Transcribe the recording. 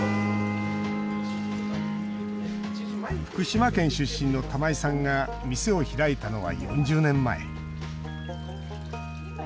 福島県出身の玉井さんが店を開いたのは４０年前。